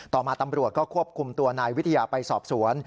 ต่อมาตำรวจก็ควบคุมตัวนายวิทยาไปสอบสวน